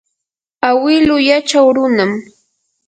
awilu yachaw runam.